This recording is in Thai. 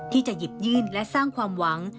ที่จะหยิบยื่นและสร้างความหวัง